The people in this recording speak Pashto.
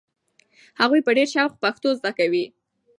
هغوی په ډېر شوق پښتو زده کوي.